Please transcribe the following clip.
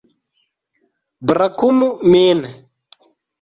Brakumu min.